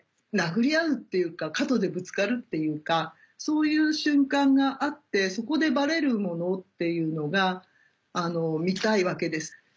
殴り合うっていうか角でぶつかるっていうかそういう瞬間があってそこでバレるものっていうのが見たいわけです。